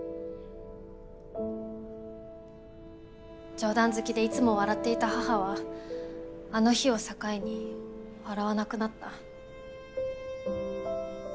冗談好きでいつも笑っていた母はあの日を境に笑わなくなった。